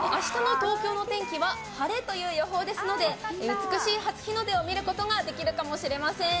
あしたの東京の天気は晴れとの予報なので美しい初日の出を見ることができるかもしれません。